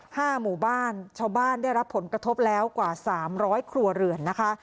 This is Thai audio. ห้าหมู่บ้านชาวบ้านได้รับผลกระทบแล้วกว่าสามร้อยครัวเรือนนะคะ